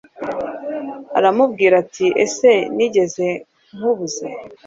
aramubwira ati ese nigeze nkubuza